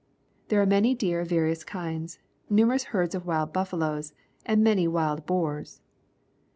There are many deer of various kinds, numerous herds of wild buffaloes, and many wild boars.